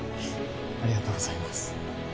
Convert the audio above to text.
ありがとうございます。